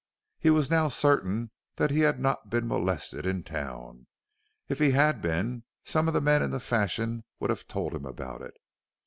He was now certain that he had not been molested in town; if he had been some of the men in the Fashion would have told him about it.